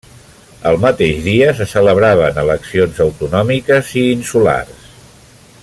El mateix dia se celebraven eleccions autonòmiques i insulars.